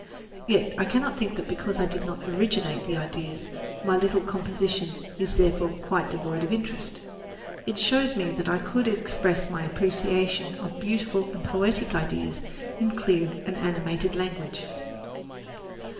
Yet I cannot think that because I did not originate the ideas, my little composition is therefore quite devoid of interest. It shows me that I could express my appreciation of beautiful and poetic ideas in clear and animated language.